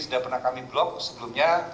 sudah pernah kami blok sebelumnya